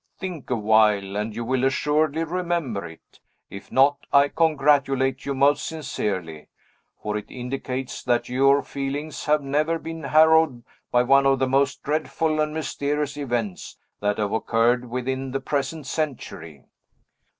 Think awhile, and you will assuredly remember it. If not, I congratulate you most sincerely; for it indicates that your feelings have never been harrowed by one of the most dreadful and mysterious events that have occurred within the present century!"